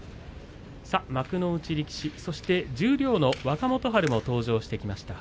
幕内力士そして、十両の若元春が登場してきました。